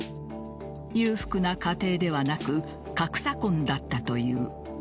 裕福な家庭ではなく格差婚だったという。